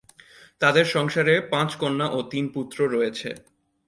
তাদের সংসারে পাঁচ কন্যা ও তিন পুত্র রয়েছে।